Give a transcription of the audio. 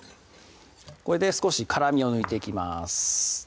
これで少し辛みを抜いていきます